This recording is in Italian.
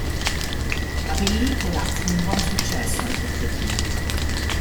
La pellicola fu un buon successo al botteghino.